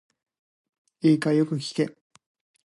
いいか、よく聞け。